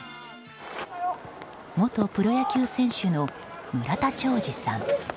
元プロ野球選手の村田兆治さん。